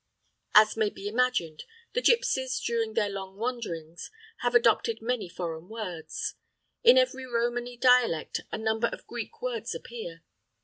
As may be imagined, the gipsies, during their long wanderings, have adopted many foreign words. In every Romany dialect a number of Greek words appear.